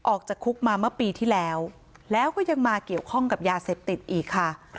ออกจากคุกมาเมื่อปีที่แล้วแล้วก็ยังมาเกี่ยวข้องกับยาเสพติดอีกค่ะ